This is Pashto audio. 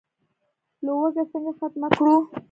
لوږه څنګه ختمه کړو؟